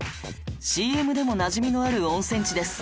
ＣＭ でもなじみのある温泉地です